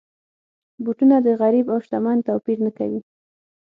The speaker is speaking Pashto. بوټونه د غریب او شتمن توپیر نه کوي.